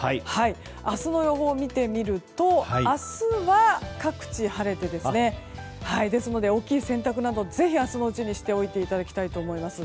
明日の予報を見てみると明日は各地で晴れるので大きい洗濯などぜひ明日のうちにしていただきたいと思います。